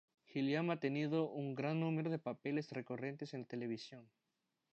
Gilliam ha tenido un gran número de papeles recurrentes en la televisión.